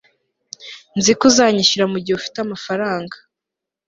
Nzi ko uzanyishura mugihe ufite amafaranga